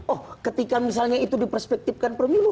oh ketika misalnya itu diperspektifkan pemilu